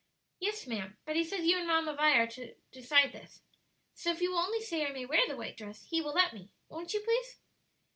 "Yes, ma'am; but he says you and Mamma Vi are to decide this. So if you will only say I may wear the white dress, he will let me. Won't you, please?"